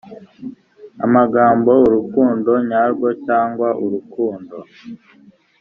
amagambo urukundo nyarwo cyangwa urukundo